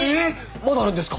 まだあるんですか？